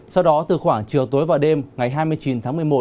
sau đó từ khoảng chiều tối và đêm ngày hai mươi chín tháng một mươi một